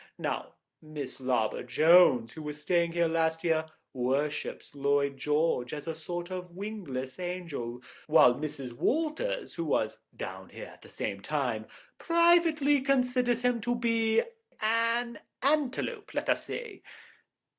Now, Miss Larbor Jones, who was staying here last year, worships Lloyd George as a sort of wingless angel, while Mrs. Walters, who was down here at the same time, privately considers him to be—an antelope, let us say."